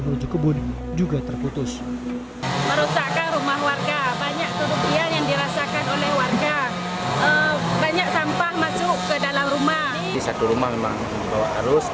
menuju kebun juga terputus merosakkan rumah warga banyak kerugian yang dirasakan oleh warga